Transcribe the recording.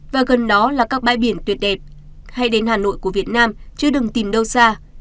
và gần đó là các bãi biển tuyệt đẹp hay đến hà nội của việt nam chưa đừng tìm đâu xa